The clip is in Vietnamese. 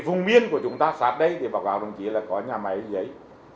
vùng biên của chúng ta sát đây thì báo cáo đồng chí là có nhà máy giấy